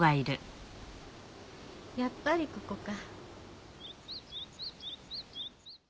やっぱりここか。